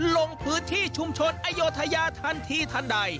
ลงพื้นที่ชุมชนอโยธยาทันทีทันใด